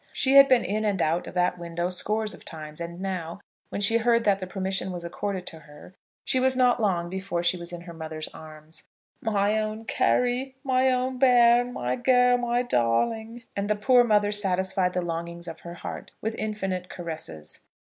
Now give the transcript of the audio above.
She had been in and out of that window scores of times; and now, when she heard that the permission was accorded to her, she was not long before she was in her mother's arms. "My own Carry, my own bairn; my girl, my darling." And the poor mother satisfied the longings of her heart with infinite caresses.